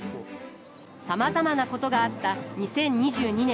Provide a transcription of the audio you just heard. さまざまなことがあった２０２２年。